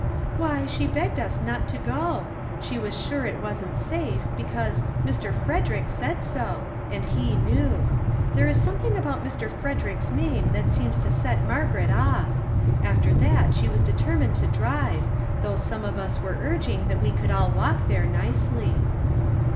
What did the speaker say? " Why, she begged us not to go. She was sure it wasn't safe, because ' Mr. Frederick ' said so, and he knew. There is something about ' Mr. Frederick's ' name that seems to set Margaret off. After that she was determined to drive, though some of us were urging that we could all walk there nicely."